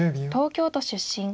東京都出身。